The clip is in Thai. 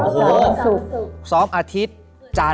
เมื่อก่อนก็ซ้อมวันศุกร์